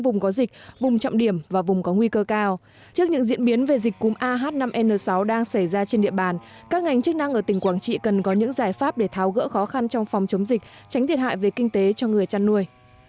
trước sự xuất hiện những diễn biến về dịch cúm a h năm n sáu đang xảy ra trên địa bàn các ngành chức năng ở tỉnh quảng trị cần có những giải pháp để tháo gỡ khó khăn trong phòng chống dịch tránh thiệt hại về kinh tế cho người chăn nuôi